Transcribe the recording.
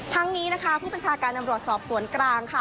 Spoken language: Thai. ทั้งนี้ผู้ประชาการอำรวจสอบสวนกลาง